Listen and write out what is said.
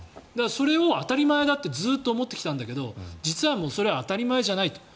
それを当たり前だってずっと思ってきたんだけど実はもうそれは当たり前じゃないと。